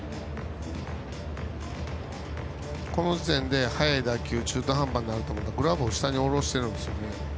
この時点で速い打球中途半端になるなとグラブを下に下ろしてるんですね。